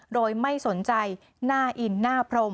โดยไม่สนใจหน้าอินหน้าพรม